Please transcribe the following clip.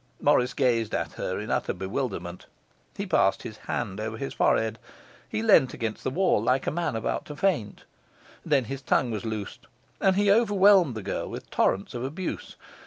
Morris gazed at her in utter bewilderment. He passed his hand over his forehead; he leaned against the wall like a man about to faint. Then his tongue was loosed, and he overwhelmed the girl with torrents of abuse.